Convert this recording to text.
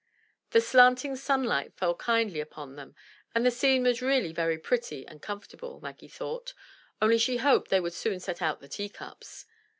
The slanting sunlight fell kindly upon them, and the scene was really very pretty and comfortable, Maggie thought, only she hoped they would soon set out the teacups.